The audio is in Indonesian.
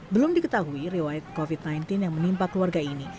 belum diketahui riwayat covid sembilan belas yang menimpa keluarga ini